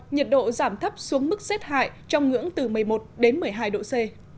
nhiệt độ giảm thấp xuống mức rét hại trong ngưỡng từ một mươi một đến một mươi hai độ c